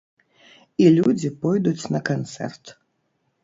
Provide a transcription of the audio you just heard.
І людзі пойдуць на канцэрт!